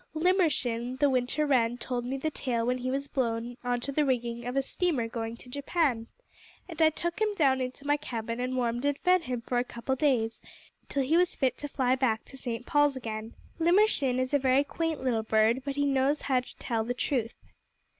Limmershin, the Winter Wren, told me the tale when he was blown on to the rigging of a steamer going to Japan, and I took him down into my cabin and warmed and fed him for a couple of days till he was fit to fly back to St. Paul's again. Limmershin is a very quaint little bird, but he knows how to tell the truth.